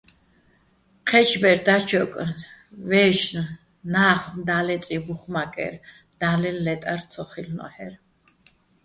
ჴეჩბერ დაჩოკ ვაჲშნ - ნა́ხნ - და́ლეწიჼ უ̂ხ მაკერ, და́ლ ლე́ტარ ცო ხილ'ნო́ჰ̦ერ.